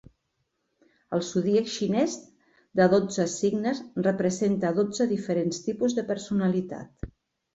El zodíac xinès de dotze signes representa dotze diferents tipus de personalitat.